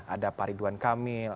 ada pak ridwan kamil